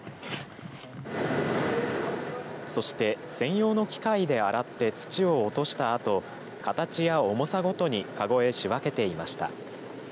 そして、専用の機械で洗って土を落としたあと形や重さごとにカゴへ仕分けていました。